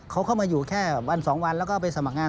เขาเข้ามาอยู่แค่วันสองวันแล้วก็ไปสมัครงาน